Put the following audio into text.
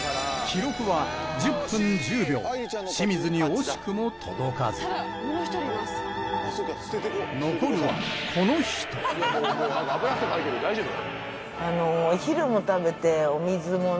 記録は１０分１０秒清水に惜しくも届かず残るはこの人もう脂汗かいてる大丈夫？